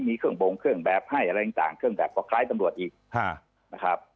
มีเครื่องบงเครื่องแบบให้อะไรต่างเครื่องแบบก็คล้ายตำรวจอีกนะครับ